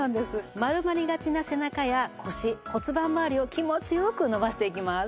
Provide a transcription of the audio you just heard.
丸まりがちな背中や腰骨盤まわりを気持ちよく伸ばしていきます。